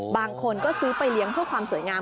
บางคนก็ซื้อไปเลี้ยงเพื่อความสวยงาม